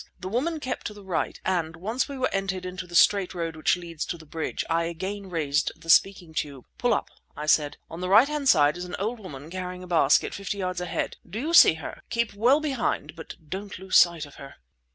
The woman kept to the right, and, once we were entered into the straight road which leads to the bridge, I again raised the speaking tube. "Pull up," I said. "On the right hand side is an old woman carrying a basket, fifty yards ahead. Do you see her? Keep well behind, but don't lose sight of her."